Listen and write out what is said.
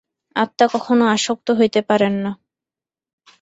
আত্মা কখনও আসক্ত হইতে পারেন না।